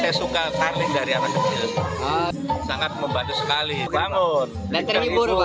saya suka paling dari anak anaknya